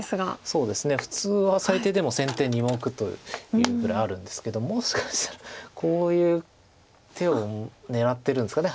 そうですね普通は最低でも先手２目というぐらいあるんですけどもしかしたらこういう手を狙ってるんですか。